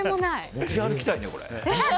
持ち歩きたいね。